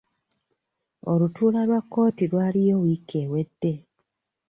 Olutuula lwa kkooti lwaliyo wiiki ewedde.